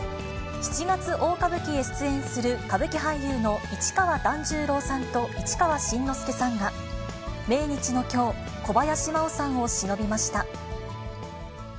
七月大歌舞伎へ出演する歌舞伎俳優の市川團十郎さんと市川新之助さんが、命日のきょう、小林麻央さんをしのびました。